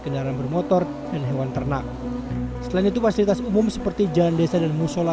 kendaraan bermotor dan hewan ternak selain itu fasilitas umum seperti jalan desa dan musola